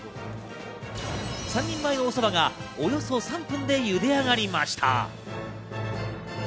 ３人前のおそばがおよそ３分で茹で上がりました。